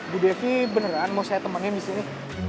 bu devi beneran mau saya temannya disini